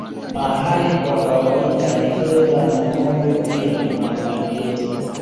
Mahari kwa kawaida ni fedha na ngombe pia mablanketi